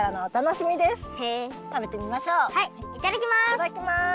いただきます！